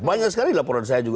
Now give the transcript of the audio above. banyak sekali laporan saya juga